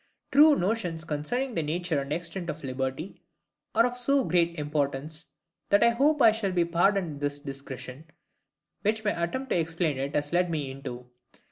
True notions concerning the nature and extent of LIBERTY are of so great importance, that I hope I shall be pardoned this digression, which my attempt to explain it has led me into.